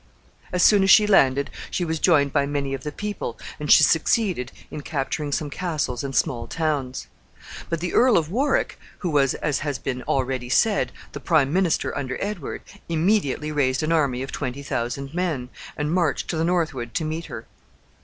As soon as she landed she was joined by many of the people, and she succeeded in capturing some castles and small towns. But the Earl of Warwick, who was, as has been already said, the prime minister under Edward, immediately raised an army of twenty thousand men, and marched to the northward to meet her.